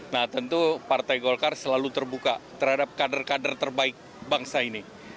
nah tentu partai golkar selalu terbuka terhadap kader kader terbaik bangsa ini